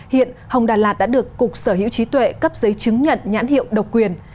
hiện hồng đà lạt đã được cục sở hữu trí tuệ cấp giấy chứng nhận nhãn hiệu độc quyền